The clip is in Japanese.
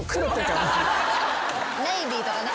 ネイビーとかね。